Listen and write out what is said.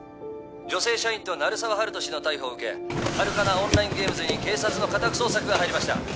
女性社員と鳴沢温人氏の逮捕を受けハルカナ・オンライン・ゲームズに警察の家宅捜索が入りました